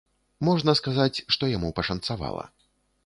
Можна сказаць, што яму пашанцавала.